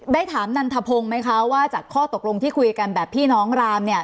ได้ถามนันทพงศ์ไหมคะว่าจากข้อตกลงที่คุยกันแบบพี่น้องรามเนี่ย